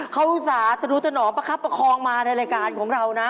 เขาอุตส่าห์สะดุสะหนอประคับประคองมาในรายการ